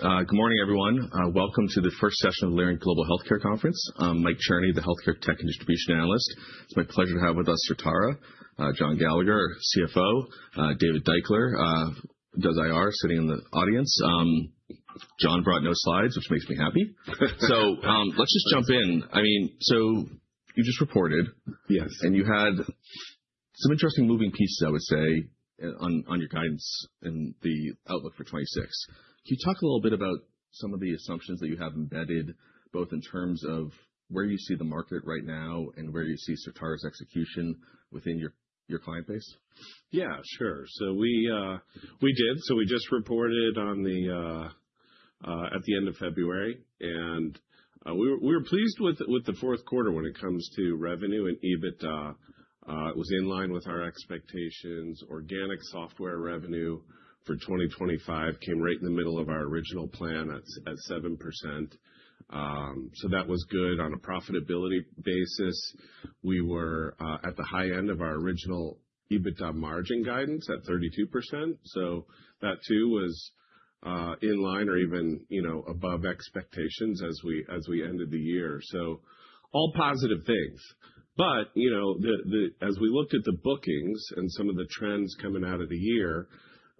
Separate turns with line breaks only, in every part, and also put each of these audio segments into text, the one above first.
Great. Good morning, everyone. Welcome to the first session of the Leerink Partners global healthcare conference. I'm Mike Cherny, the Healthcare Tech and Distribution Analyst. It's my pleasure to have with us Certara, John E. Gallagher III, our CFO, David Deuchler, does IR, sitting in the audience. John brought no slides, which makes me happy. Let's just jump in. I mean, you just reported.
Yes.
You had some interesting moving pieces, I would say, on your guidance and the outlook for 2026. Can you talk a little bit about some of the assumptions that you have embedded, both in terms of where you see the market right now and where you see Certara's execution within your client base?
Yeah, sure. We did. We just reported at the end of February, we were pleased with the fourth quarter when it comes to revenue and EBITDA. It was in line with our expectations. Organic software revenue for 2025 came right in the middle of our original plan at 7%. That was good. On a profitability basis, we were at the high end of our original EBITDA margin guidance at 32%, that too was in line or even, you know, above expectations as we ended the year. All positive things. You know, as we looked at the bookings and some of the trends coming out of the year,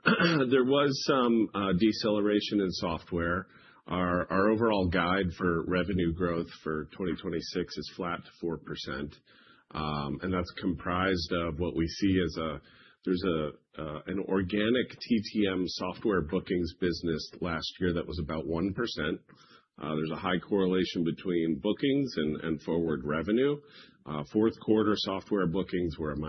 there was some deceleration in software. Our overall guide for revenue growth for 2026 is flat to 4%, That's comprised of what we see as there's an organic TTM software bookings business last year that was about 1%. There's a high correlation between bookings and forward revenue. Fourth quarter software bookings were a -6%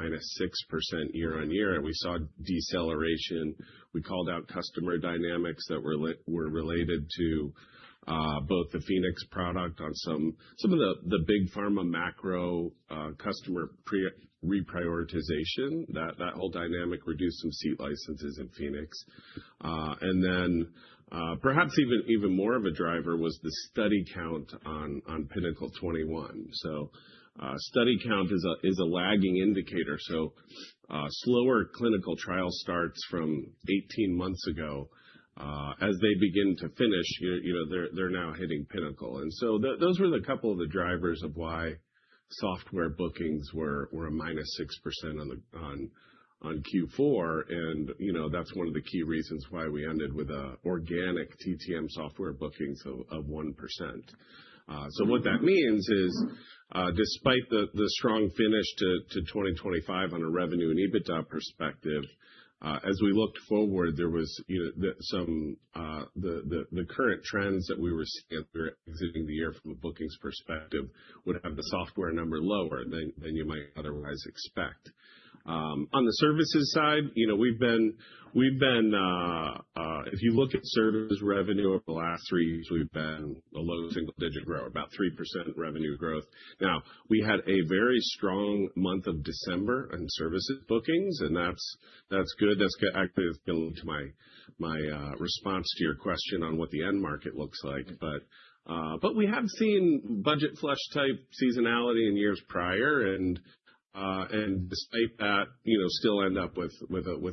year-on-year, We saw deceleration. We called out customer dynamics that were related to both the Phoenix product on some of the big pharma macro customer reprioritization. That whole dynamic reduced some seat licenses in Phoenix. Then perhaps even more of a driver was the study count on Pinnacle 21. Study count is a, is a lagging indicator, slower clinical trial starts from 18 months ago, as they begin to finish, you know, they're now hitting Pinnacle. Those were the couple of the drivers of why software bookings were a -6% on Q4. You know, that's one of the key reasons why we ended with a organic TTM software bookings of 1%. What that means is, despite the strong finish to 2025 on a revenue and EBITDA perspective, as we looked forward, there was, you know, the current trends that we were seeing through exiting the year from a bookings perspective would have the software number lower than you might otherwise expect. On the services side, you know, we've been, if you look at services revenue over the last three years, we've been a low single-digit grower, about 3% revenue growth. We had a very strong month of December in services bookings, and that's good. Actually, that's going to lead to my response to your question on what the end market looks like. We have seen budget flush-type seasonality in years prior, and despite that, you know, still end up with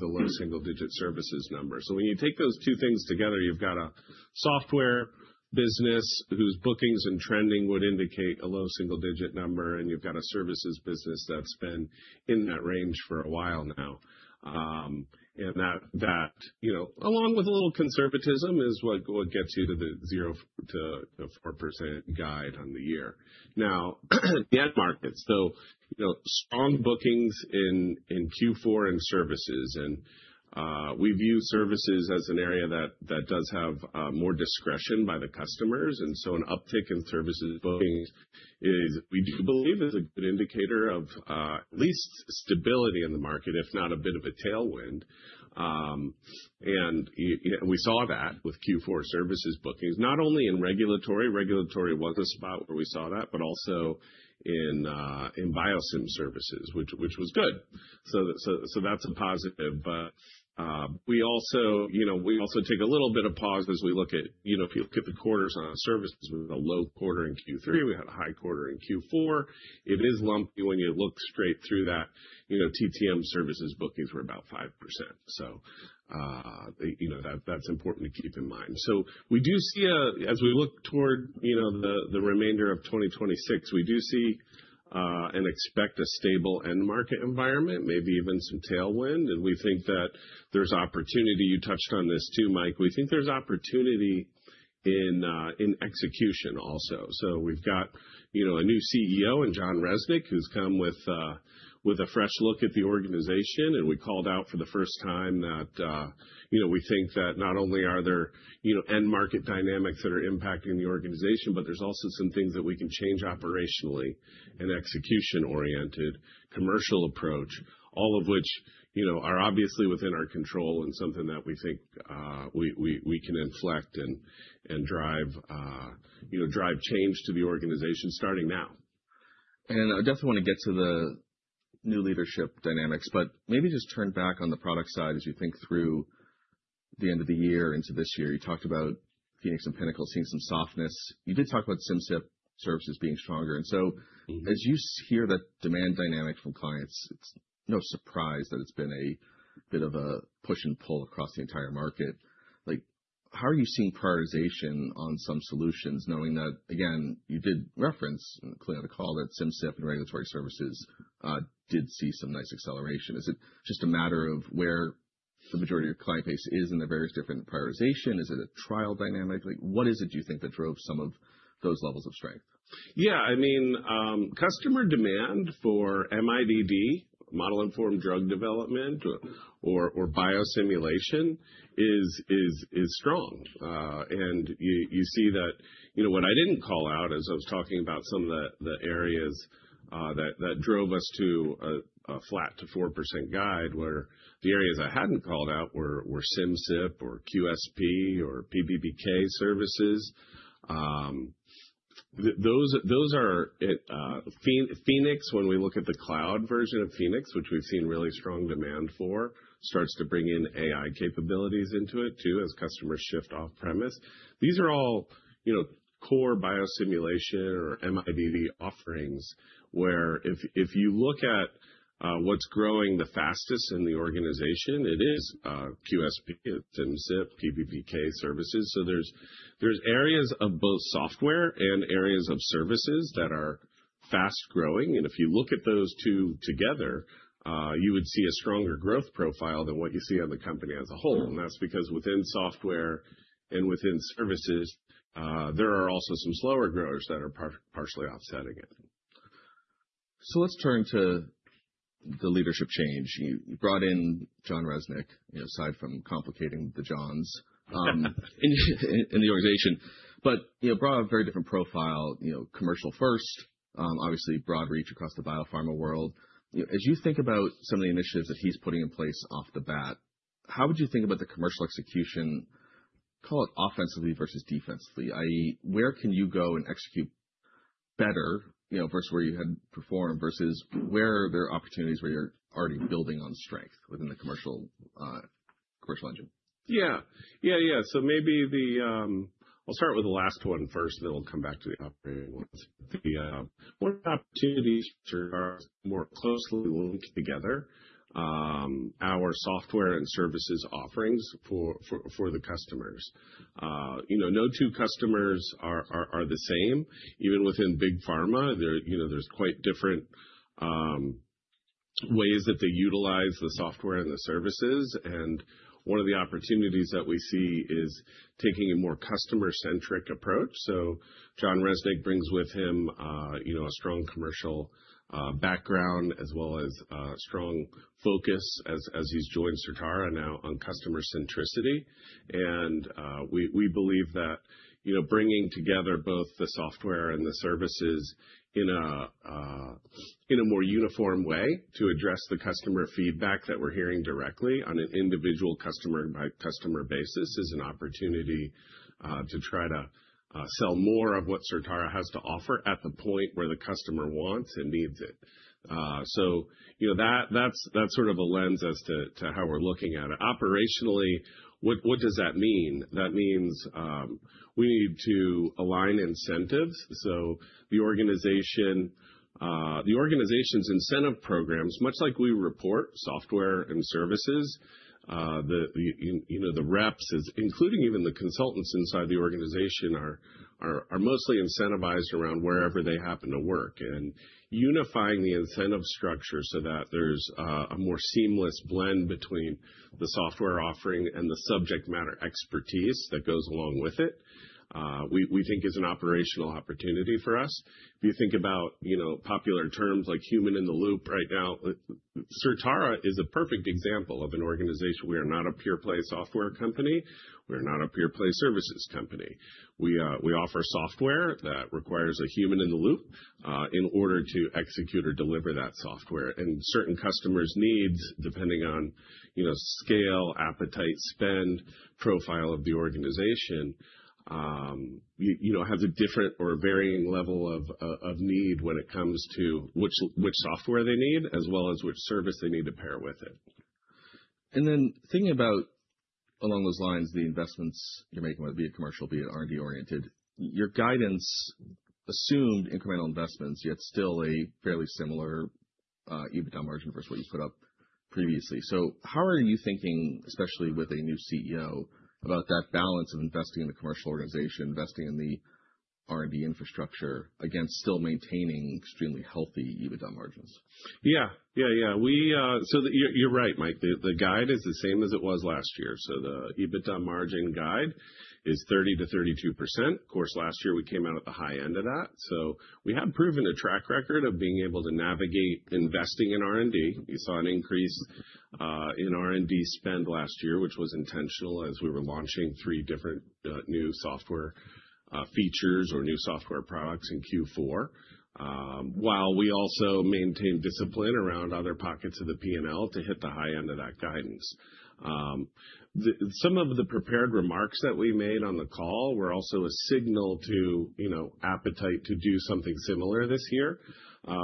a low single-digit services number. When you take those two things together, you've got a software business whose bookings and trending would indicate a low single-digit number, and you've got a services business that's been in that range for a while now. That, you know, along with a little conservatism is what gets you to the 0%-4% guide on the year. Now, the end market. You know, strong bookings in Q4 and services. We view services as an area that does have more discretion by the customers. An uptick in services bookings is, we do believe, is a good indicator of at least stability in the market, if not a bit of a tailwind. You know, we saw that with Q4 services bookings, not only in regulatory wasn't a spot where we saw that, but also in BIOSIM services, which was good. That's a positive. We also, you know, we also take a little bit of pause as we look at, you know, if you look at the quarters on our services, we had a low quarter in Q3, we had a high quarter in Q4. It is lumpy when you look straight through that. You know, TTM services bookings were about 5%, so, you know, that's important to keep in mind. We do see as we look toward, you know, the remainder of 2026, we do see and expect a stable end market environment, maybe even some tailwind, and we think that there's opportunity. You touched on this too, Mike. We think there's opportunity in execution also. We've got, you know, a new CEO in Jon Resnick, who's come with a fresh look at the organization. We called out for the first time that, you know, we think that not only are there, you know, end market dynamics that are impacting the organization, but there's also some things that we can change operationally, an execution-oriented commercial approach, all of which, you know, are obviously within our control and something that we think, we can inflect and drive, you know, drive change to the organization starting now.
I definitely wanna get to the new leadership dynamics, but maybe just turn back on the product side as you think through the end of the year into this year. You talked about Phoenix and Pinnacle seeing some softness. You did talk about Simcyp Services being stronger. As you hear that demand dynamic from clients, it's no surprise that it's been a bit of a push and pull across the entire market. Like, how are you seeing prioritization on some solutions, knowing that, again, you did reference clearly on the call that Simcyp and regulatory services did see some nice acceleration? Is it just a matter of where the majority of your client base is in their various different prioritization? Is it a trial dynamic? Like, what is it you think that drove some of those levels of strength?
Yeah, I mean, customer demand for MIDD, Model-Informed Drug Development or biosimulation is strong. You see that, you know what I didn't call out as I was talking about some of the areas that drove us to a flat to 4% guide, were the areas I hadn't called out were Simcyp or QSP or PBPK services. Those are Phoenix, when we look at the cloud version of Phoenix, which we've seen really strong demand for, starts to bring in AI capabilities into it too, as customers shift off-premise. These are all, you know, core biosimulation or MIDD offerings, where if you look at what's growing the fastest in the organization, it is QSP, Simcyp, PBPK services. There's areas of both software and areas of services that are fast-growing. If you look at those two together, you would see a stronger growth profile than what you see on the company as a whole, and that's because within software and within services, there are also some slower growers that are partially offsetting it.
Let's turn to the leadership change. You brought in Jon Resnick, you know, aside from complicating the Johns, in the organization. You know, brought a very different profile, you know, commercial first, obviously broad reach across the biopharma world. As you think about some of the initiatives that he's putting in place off the bat, how would you think about the commercial execution, call it offensively versus defensively, i.e., where can you go and execute better, you know, versus where you had performed, versus where are there opportunities where you're already building on strength within the commercial engine?
Yeah. Yeah, yeah. Maybe the... I'll start with the last one first, then we'll come back to the operating one. The one opportunity to are more closely linked together, our software and services offerings for the customers. You know, no two customers are the same. Even within big pharma, there, you know, there's quite different ways that they utilize the software and the services. One of the opportunities that we see is taking a more customer-centric approach. Jon Resnick brings with him, you know, a strong commercial background as well as strong focus as he's joined Certara now on customer centricity. We believe that, you know, bringing together both the software and the services in a more uniform way to address the customer feedback that we're hearing directly on an individual customer by customer basis is an opportunity to try to sell more of what Certara has to offer at the point where the customer wants and needs it. So, you know, that's sort of a lens as to how we're looking at it. Operationally, what does that mean? That means, we need to align incentives, so the organization, the organization's incentive programs, much like we report software and services, the, you know, the reps is including even the consultants inside the organization are mostly incentivized around wherever they happen to work, and unifying the incentive structure so that there's a more seamless blend between the software offering and the subject matter expertise that goes along with it, we think is an operational opportunity for us. If you think about, you know, popular terms like human in the loop right now, Certara is a perfect example of an organization. We are not a pure-play software company. We're not a pure-play services company. We offer software that requires a human in the loop in order to execute or deliver that software. Certain customers' needs, depending on, you know, scale, appetite, spend, profile of the organization, you know, has a different or varying level of need when it comes to which software they need, as well as which service they need to pair with it.
Thinking about along those lines, the investments you're making, whether it be a commercial, be it R&D-oriented, your guidance assumed incremental investments, yet still a fairly similar, EBITDA margin versus what you put up previously. How are you thinking, especially with a new CEO, about that balance of investing in the commercial organization, investing in the R&D infrastructure against still maintaining extremely healthy EBITDA margins?
Yeah. Yeah, yeah. We, you're right, Mike. The guide is the same as it was last year. The EBITDA margin guide is 30%-32%. Of course, last year we came out at the high end of that. We have proven a track record of being able to navigate investing in R&D. We saw an increase in R&D spend last year, which was intentional as we were launching three different new software features or new software products in Q4, while we also maintain discipline around other pockets of the P&L to hit the high end of that guidance. The, some of the prepared remarks that we made on the call were also a signal to, you know, appetite to do something similar this year.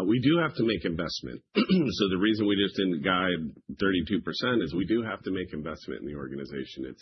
We do have to make investment. The reason we just didn't guide 32% is we do have to make investment in the organization.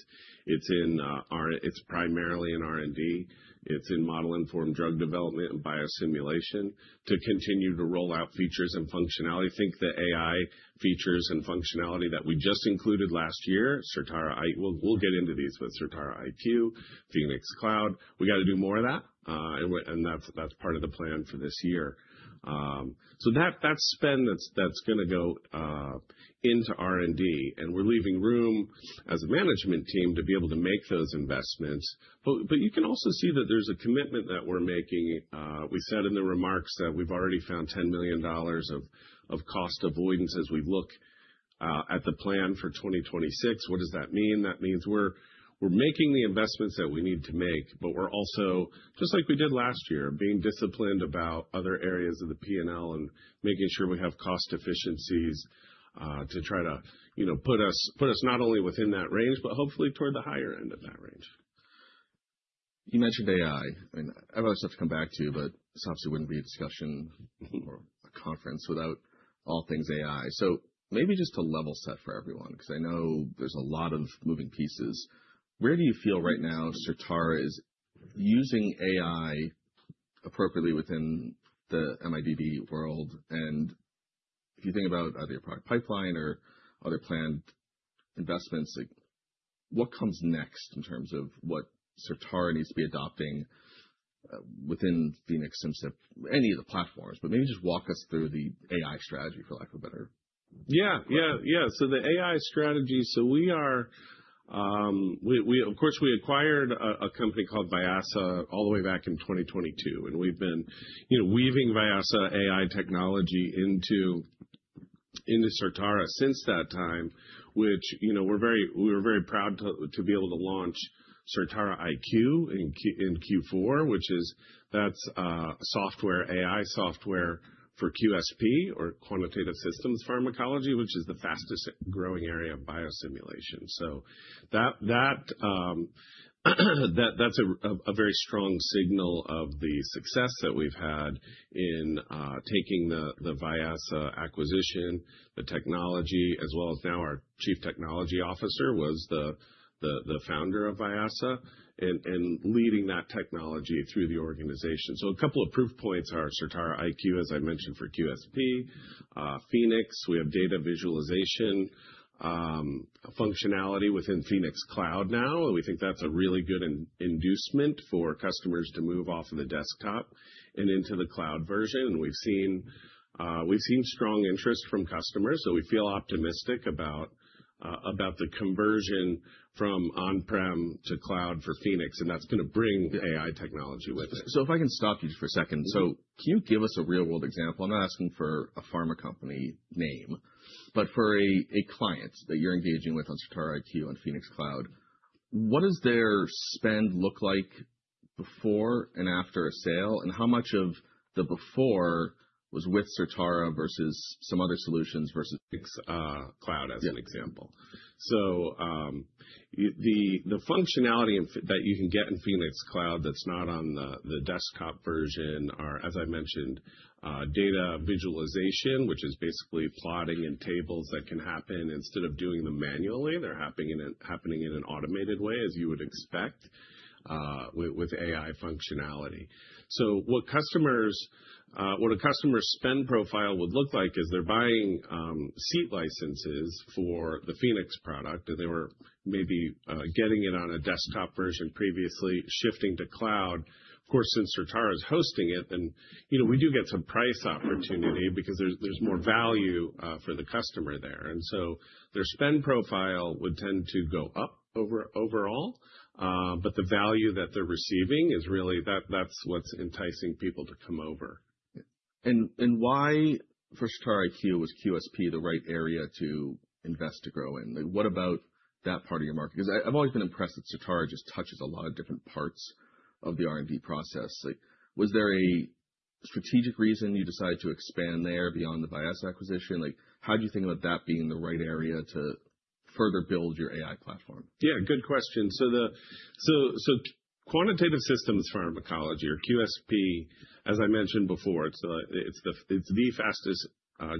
It's primarily in R&D. It's in Model-Informed Drug Development and biosimulation to continue to roll out features and functionality. Think the AI features and functionality that we just included last year, Certara. We'll get into these, but Certara IQ, Phoenix Cloud, we gotta do more of that. That's part of the plan for this year. That spend, that's gonna go into R&D, and we're leaving room as a management team to be able to make those investments. You can also see that there's a commitment that we're making. We said in the remarks that we've already found $10 million of cost avoidance as we look at the plan for 2026. What does that mean? That means we're making the investments that we need to make, but we're also, just like we did last year, being disciplined about other areas of the P&L and making sure we have cost efficiencies, to try to, you know, put us not only within that range, but hopefully toward the higher end of that range.
You mentioned AI. I mean, I'd always have to come back to you, but this obviously wouldn't be a discussion. A conference without all things AI. Maybe just to level set for everyone, 'cause I know there's a lot of moving pieces. Where do you feel right now Certara is using AI appropriately within the MIDD world? If you think about either your product pipeline or other planned investments, like what comes next in terms of what Certara needs to be adopting within Phoenix Simcyp, any of the platforms? Maybe just walk us through the AI strategy, for lack of a?
Yeah. Yeah, yeah. The AI strategy, we, of course, acquired a company called Vyasa all the way back in 2022, and we've been, you know, weaving Vyasa AI technology into Certara since that time, which, you know, we were very proud to be able to launch Certara IQ in Q4. That's software, AI software for QSP, or Quantitative Systems Pharmacology, which is the fastest growing area of biosimulation. That, that's a very strong signal of the success that we've had in taking the Vyasa acquisition, the technology, as well as now our chief technology officer was the founder of Vyasa, and leading that technology through the organization. A couple of proof points are Certara IQ, as I mentioned, for QSP. Phoenix, we have data visualization, functionality within Phoenix Cloud now. We think that's a really good inducement for customers to move off of the desktop and into the cloud version. We've seen strong interest from customers. We feel optimistic about the conversion from on-prem to cloud for Phoenix. That's gonna bring the AI technology with it.
If I can stop you just for a second. Can you give us a real-world example? I'm not asking for a pharma company name, but for a client that you're engaging with on Certara IQ and Phoenix Cloud. What does their spend look like before and after a sale? How much of the before was with Certara versus some other solutions versus cloud, as an example?
The functionality that you can get in Phoenix Cloud that's not on the desktop version are, as I mentioned, data visualization, which is basically plotting in tables that can happen instead of doing them manually, they're happening in an automated way, as you would expect, with AI functionality. What customers, what a customer's spend profile would look like is they're buying seat licenses for the Phoenix product, and they were maybe getting it on a desktop version previously, shifting to cloud. Of course, since Certara is hosting it, then, you know, we do get some price opportunity because there's more value for the customer there. Their spend profile would tend to go up overall, but the value that they're receiving is really that's what's enticing people to come over.
Why for Certara IQ was QSP the right area to invest to grow in? Like, what about that part of your market? 'Cause I've always been impressed that Certara just touches a lot of different parts of the R&D process. Like, was there a strategic reason you decided to expand there beyond the Vyasa acquisition? Like, how do you think about that being the right area to further build your AI platform?
Good question. The quantitative systems pharmacology or QSP, as I mentioned before, it's the, it's the fastest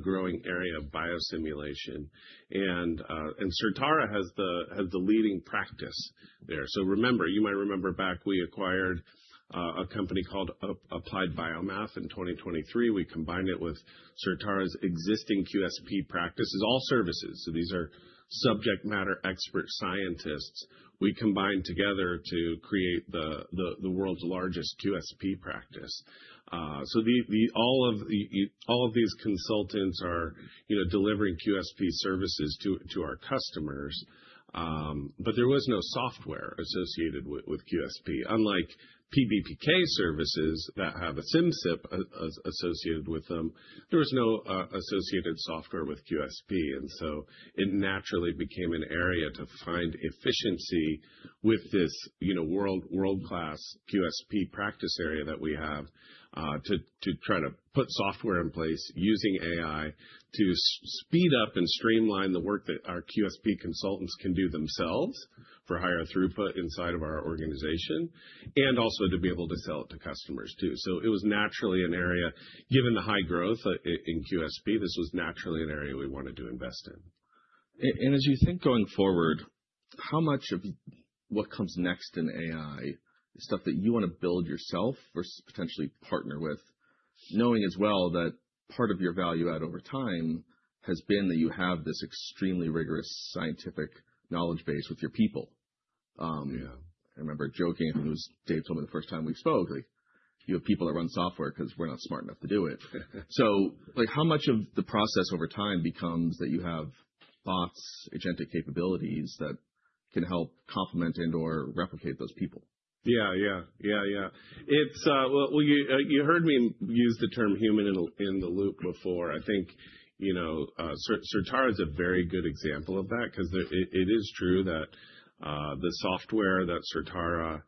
growing area of biosimulation. Certara has the leading practice there. Remember, you might remember back, we acquired a company called Applied BioMath in 2023. We combined it with Certara's existing QSP practices, all services. These are subject matter expert scientists we combined together to create the world's largest QSP practice. The all of these consultants are, you know, delivering QSP services to our customers. There was no software associated with QSP. Unlike PBPK services that have a Simcyp associated with them, there was no associated software with QSP. It naturally became an area to find efficiency with this, you know, world-class QSP practice area that we have, to try to put software in place using AI to speed up and streamline the work that our QSP consultants can do themselves for higher throughput inside of our organization, and also to be able to sell it to customers too. It was naturally an area, given the high growth in QSP, this was naturally an area we wanted to invest in.
As you think going forward, how much of what comes next in AI is stuff that you wanna build yourself versus potentially partner with, knowing as well that part of your value add over time has been that you have this extremely rigorous scientific knowledge base with your people?
Yeah.
I remember joking, it was, Dave told me the first time we spoke, like, "You have people that run software 'cause we're not smart enough to do it." Like, how much of the process over time becomes that you have bots, agentic capabilities Can help complement and or replicate those people?
Yeah. Yeah. Yeah. Yeah. It's, well, you heard me use the term human-in-the-loop before. I think, you know, Certara is a very good example of that because it is true that the software that Certara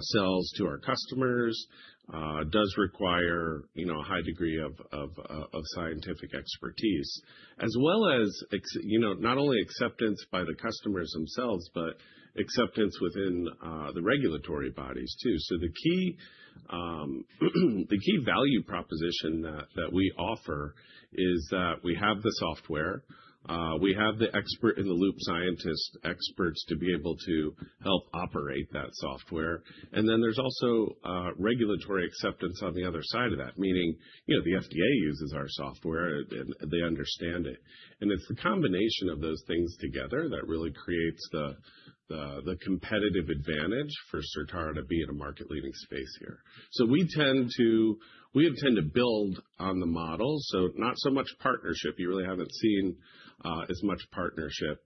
sells to our customers does require, you know, a high degree of scientific expertise. As well as you know, not only acceptance by the customers themselves, but acceptance within the regulatory bodies too. The key, the key value proposition that we offer is that we have the software, we have the expert in the loop, scientist experts to be able to help operate that software. Then there's also regulatory acceptance on the other side of that, meaning, you know, the FDA uses our software and they understand it. It's the combination of those things together that really creates the competitive advantage for Certara to be in a market-leading space here. We intend to build on the model. Not so much partnership. You really haven't seen as much partnership.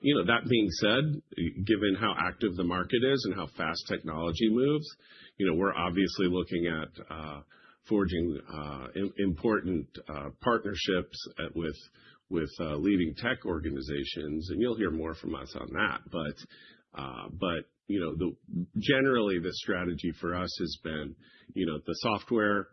You know, that being said, given how active the market is and how fast technology moves, you know, we're obviously looking at forging important partnerships with leading tech organizations, and you'll hear more from us on that. You know, generally, the strategy for us has been, you know, the software,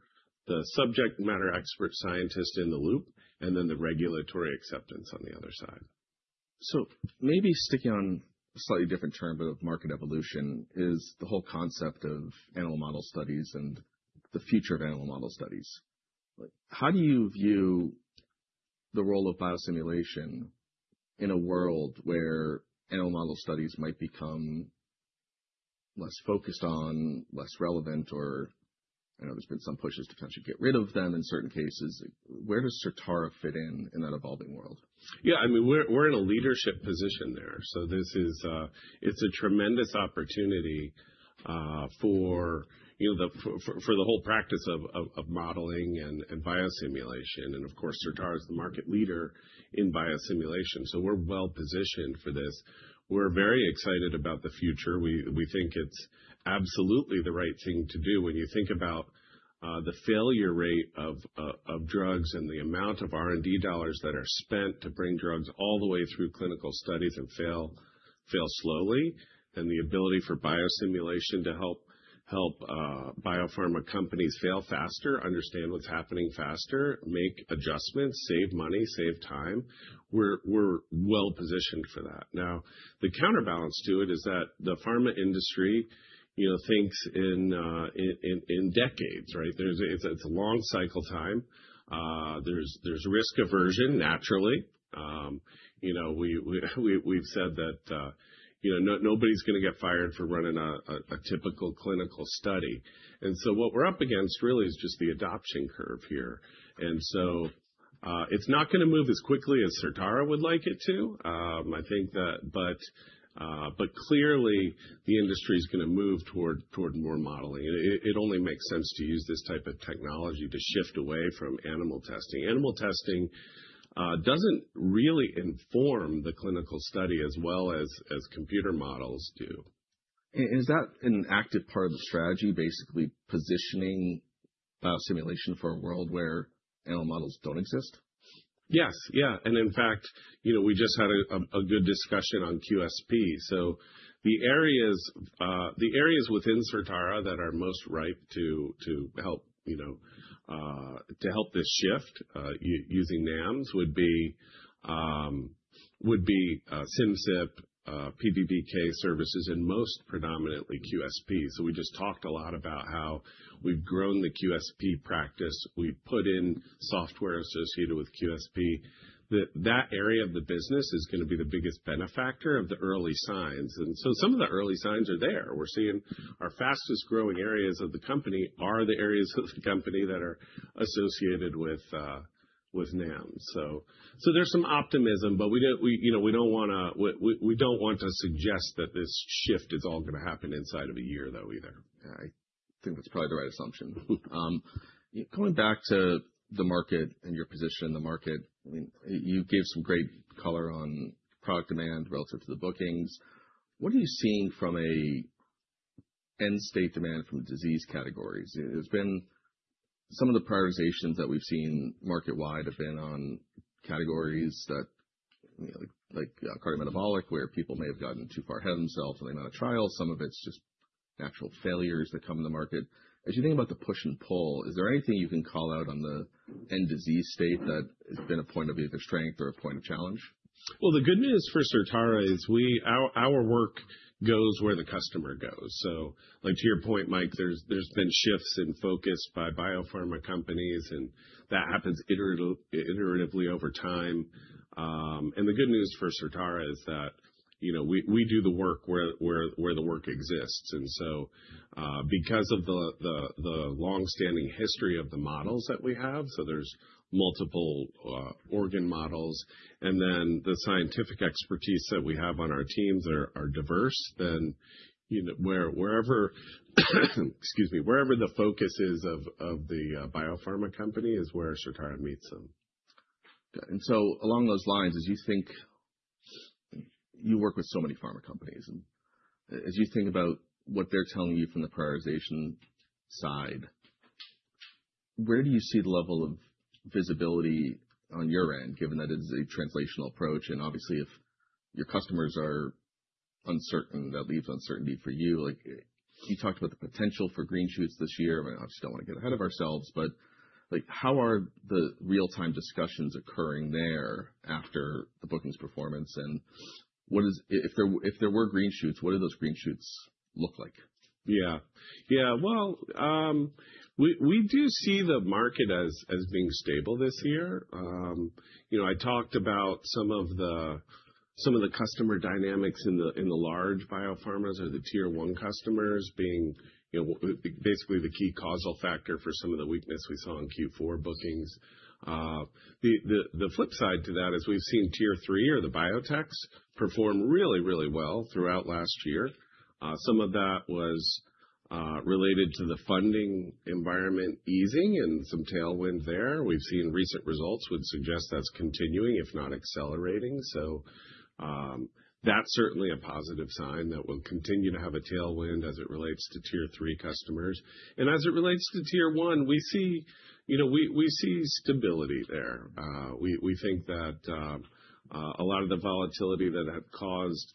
the subject matter expert scientist in the loop, and then the regulatory acceptance on the other side.
Maybe sticking on a slightly different term of market evolution is the whole concept of animal model studies and the future of animal model studies. How do you view the role of biosimulation in a world where animal model studies might become less focused on, less relevant or, I know there's been some pushes to potentially get rid of them in certain cases? Where does Certara fit in in that evolving world?
Yeah, I mean, we're in a leadership position there. This is a tremendous opportunity for, you know, the whole practice of modeling and biosimulation. Of course, Certara is the market leader in biosimulation, so we're well-positioned for this. We're very excited about the future. We think it's absolutely the right thing to do when you think about the failure rate of drugs and the amount of R&D dollars that are spent to bring drugs all the way through clinical studies and fail slowly. The ability for biosimulation to help biopharma companies fail faster, understand what's happening faster, make adjustments, save money, save time. We're well-positioned for that. The counterbalance to it is that the pharma industry, you know, thinks in decades, right? It's a long cycle time. There's, there's risk aversion, naturally. You know, we, we've said that, you know, nobody's gonna get fired for running a typical clinical study. What we're up against really is just the adoption curve here. It's not gonna move as quickly as Certara would like it to. I think that. Clearly the industry is gonna move toward more modeling. It only makes sense to use this type of technology to shift away from animal testing. Animal testing doesn't really inform the clinical study as well as computer models do.
Is that an active part of the strategy, basically positioning biosimulation for a world where animal models don't exist?
Yes. Yeah. In fact, you know, we just had a good discussion on QSP. The areas within Certara that are most ripe to help, you know, to help this shift using NAMs would be Simcyp, PBPK services and most predominantly QSP. We just talked a lot about how we've grown the QSP practice. We've put in software associated with QSP. That area of the business is gonna be the biggest benefactor of the early signs. Some of the early signs are there. We're seeing our fastest-growing areas of the company are the areas of the company that are associated with NAM. There's some optimism, but we don't, you know, we don't wanna, we don't want to suggest that this shift is all gonna happen inside of a year, though, either.
I think that's probably the right assumption. Going back to the market and your position in the market, I mean, you gave some great color on product demand relative to the bookings. What are you seeing from an end-state demand from disease categories? It's been some of the prioritizations that we've seen market-wide have been on categories that, you know, like cardiometabolic, where people may have gotten too far ahead of themselves on the amount of trials. Some of it's just natural failures that come in the market. As you think about the push and pull, is there anything you can call out on the end-disease state that has been a point of either strength or a point of challenge?
The good news for Certara is our work goes where the customer goes. Like, to your point, Mike, there's been shifts in focus by biopharma companies, and that happens iteratively over time. The good news for Certara is that, you know, we do the work where the work exists. Because of the long-standing history of the models that we have, so there's multiple organ models, and then the scientific expertise that we have on our teams are diverse, then, you know, wherever, excuse me, wherever the focus is of the biopharma company is where Certara meets them.
Along those lines, you work with so many pharma companies, as you think about what they're telling you from the prioritization side, where do you see the level of visibility on your end, given that it is a translational approach? Obviously, if your customers are uncertain, that leaves uncertainty for you. Like, you talked about the potential for green shoots this year. Obviously, don't wanna get ahead of ourselves, like, how are the real-time discussions occurring there after the bookings performance? If there were green shoots, what do those green shoots look like?
Yeah. Yeah, well, we do see the market as being stable this year. You know, I talked about some of the customer dynamics in the large biopharmas or the tier one customers being, you know, basically the key causal factor for some of the weakness we saw in Q4 bookings. The flip side to that is we've seen tier three or the biotechs perform really well throughout last year. Some of that was related to the funding environment easing and some tailwind there. We've seen recent results would suggest that's continuing, if not accelerating. That's certainly a positive sign that we'll continue to have a tailwind as it relates to tier three customers. As it relates to tier one, we see, you know, stability there. We think that a lot of the volatility that had caused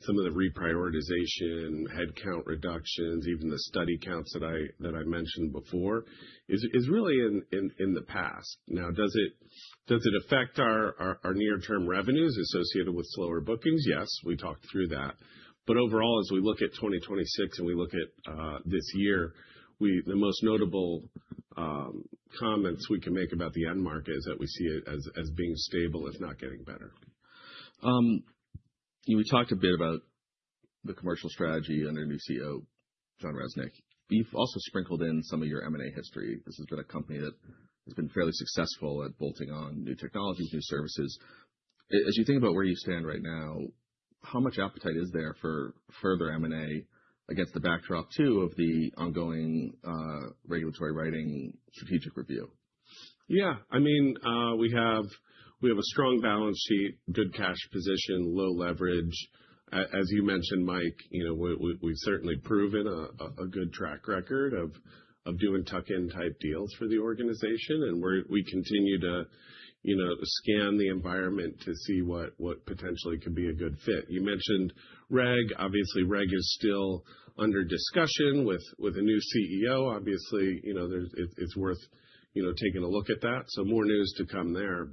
some of the reprioritization, headcount reductions, even the study counts that I mentioned before is really in the past. Does it affect our near term revenues associated with slower bookings? Yes, we talked through that. Overall, as we look at 2026, and we look at this year, the most notable comments we can make about the end market is that we see it as being stable, if not getting better.
You talked a bit about the commercial strategy under new CEO, Jon Resnick. You've also sprinkled in some of your M&A history. This has been a company that has been fairly successful at bolting on new technologies, new services. As you think about where you stand right now, how much appetite is there for further M&A against the backdrop, too, of the ongoing regulatory writing strategic review?
I mean, we have a strong balance sheet, good cash position, low leverage. As you mentioned, Mike, you know, we've certainly proven a good track record of doing tuck-in type deals for the organization, we continue to, you know, scan the environment to see what potentially could be a good fit. You mentioned reg. Obviously, reg is still under discussion with a new CEO. Obviously, you know, it's worth, you know, taking a look at that, so more news to come there.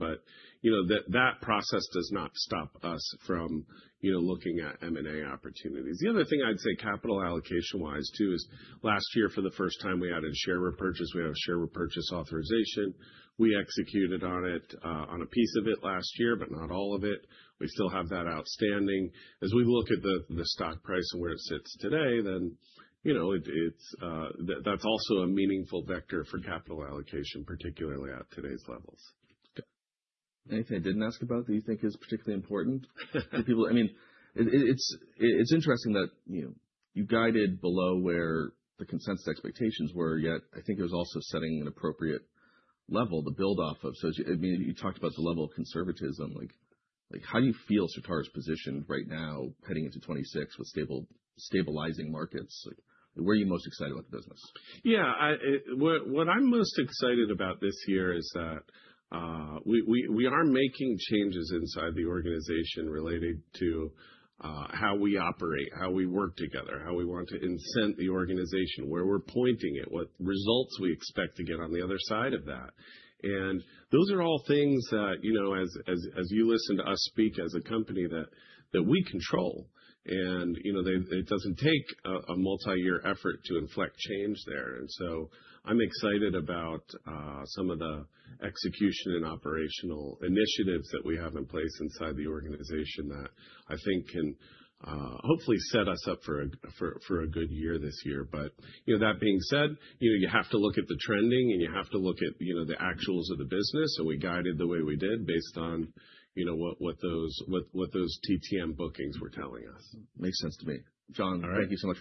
You know, that process does not stop us from, you know, looking at M&A opportunities. The other thing I'd say capital allocation-wise too is last year for the first time, we added share repurchase. We have a share repurchase authorization. We executed on it, on a piece of it last year, but not all of it. We still have that outstanding. As we look at the stock price and where it sits today, then, you know, it's, that's also a meaningful vector for capital allocation, particularly at today's levels.
Anything I didn't ask about that you think is particularly important for people? I mean, it's interesting that, you know, you guided below where the consensus expectations were, yet I think there's also setting an appropriate level to build off of. I mean, you talked about the level of conservatism. Like, how do you feel Certara's positioned right now heading into 2026 with stabilizing markets? Like, where are you most excited about the business?
Yeah. What I'm most excited about this year is that we are making changes inside the organization related to how we operate, how we work together, how we want to incent the organization, where we're pointing it, what results we expect to get on the other side of that. Those are all things that, you know, as you listen to us speak as a company that we control. You know, it doesn't take a multi-year effort to inflect change there. I'm excited about some of the execution and operational initiatives that we have in place inside the organization that I think can hopefully set us up for a good year this year. You know, that being said, you know, you have to look at the trending and you have to look at, you know, the actuals of the business. We guided the way we did based on, you know, what those TTM bookings were telling us.
Makes sense to me. John.
All right.
Thank you so much.